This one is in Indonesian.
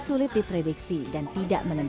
selama lamanya cor nhum